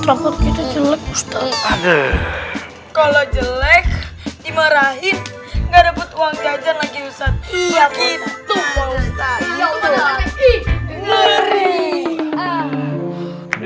kalau jelek dimarahin